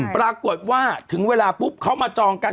ปรากฏว่าถึงเวลาปุ๊บเขามาจองกัน